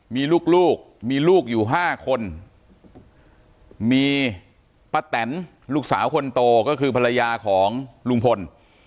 มีลูกมีลูกอยู่๕คนมีป้าแตนลูกสาวคนโตก็คือภรรยาของลุงพล